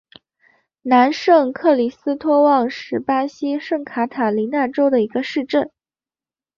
南圣克里斯托旺是巴西圣卡塔琳娜州的一个市镇。